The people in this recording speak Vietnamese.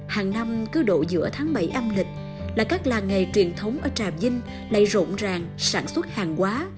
hàng năm cứ độ giữa tháng bảy âm lịch là các làng nghề truyền thống ở trà vinh lại rộn ràng sản xuất hàng quá